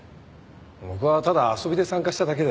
僕はただ遊びで参加しただけで。